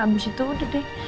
abis itu udah deh